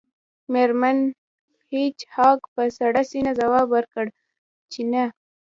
میرمن هیج هاګ په سړه سینه ځواب ورکړ چې نه